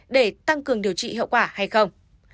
để tăng cường điều trị hiệu quả hay không